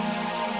kita ke rumah